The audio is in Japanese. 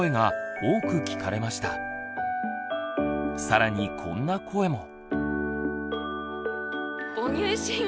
更にこんな声も。